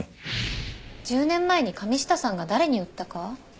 １０年前に神下さんが誰に売ったか？